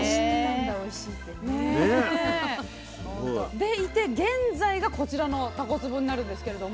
でいて現在がこちらのたこつぼになるんですけれども。